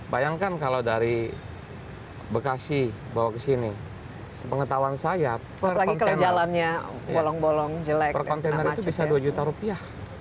bayangkan kalau dari bekasi bawa ke sini sepengetahuan saya per kontainer itu bisa dua juta rupiah